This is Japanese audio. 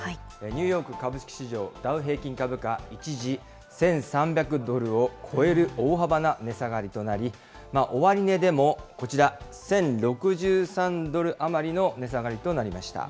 ニューヨーク株式市場ダウ平均株価、一時１３００ドルを超える大幅な値下がりとなり、終値でもこちら、１０６３ドル余りの値下がりとなりました。